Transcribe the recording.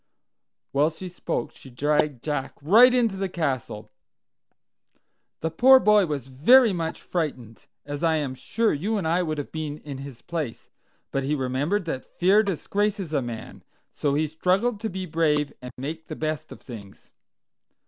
While she spoke she dragged Jack right into the castle. The poor boy was very much frightened, as I am sure you and I would have been in his place. But he remembered that fear disgraces a man; so he struggled to be brave and make the best of things.